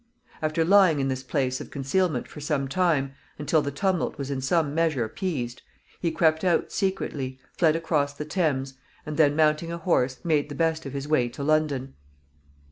After lying in this place of concealment for some time, until the tumult was in some measure appeased, he crept out secretly, fled across the Thames, and then, mounting a horse, made the best of his way to London.